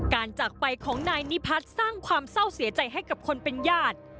จากไปของนายนิพัฒน์สร้างความเศร้าเสียใจให้กับคนเป็นญาติ